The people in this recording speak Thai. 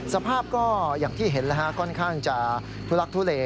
สภาพก็อย่างที่เห็นค่อนข้างจะทุลักทุเล